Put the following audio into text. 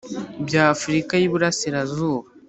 by Afurika y Iburasirazuba